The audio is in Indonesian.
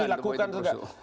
dan itu dilakukan juga